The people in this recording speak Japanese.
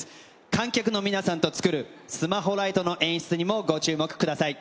観客の皆さんと作るスマホライトの演出にもご注目ください。